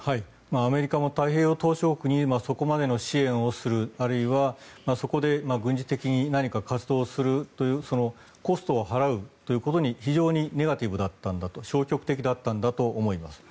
アメリカも太平洋島しょ国にそこまでの支援をするあるいは、そこで軍事的に何か活動をするというコストを払うということに非常にネガティブだった消極的だったんだと思います。